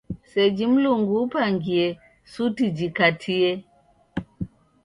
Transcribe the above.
Seji Mlungu upangie suti jikatie.